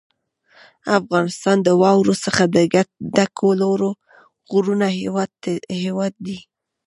افغانستان د واورو څخه د ډکو لوړو غرونو هېواد دی.